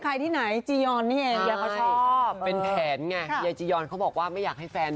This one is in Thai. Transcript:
กฎกันทีก็อือน่ารักหุ่นพรี